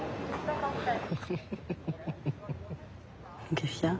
どうしたの？